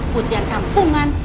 putri yang kampungan